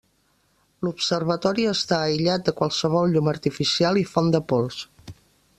L'observatori està aïllat de qualsevol llum artificial i font de pols.